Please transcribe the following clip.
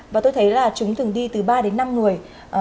và tôi thấy là chúng thường đi từ ba đến năm người